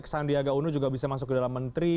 sandiaga uno juga bisa masuk ke dalam menteri